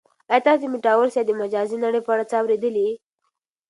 آیا تاسو د میټاورس یا د مجازی نړۍ په اړه څه اورېدلي؟